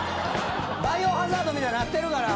『バイオハザード』みたいになってるから。